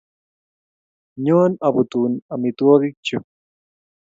Nyon aputun amitwogik chu